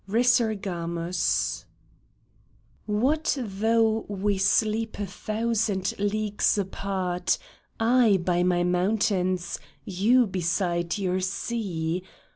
RESURGAMUS What though we sleep a thousand leagues apart, I by my mountains, you beside your sea